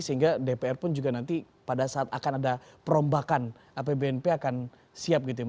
sehingga dpr pun juga nanti pada saat akan ada perombakan apbnp akan siap gitu ya